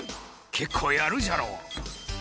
「結構やるじゃろ？」